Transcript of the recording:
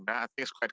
anda bisa mencari